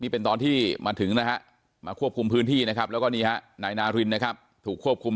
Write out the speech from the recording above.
เป็นตอนที่มาถึงนะฮะมาควบคุมพื้นที่นะครับแล้วก็นี่ฮะนายนารินนะครับถูกควบคุม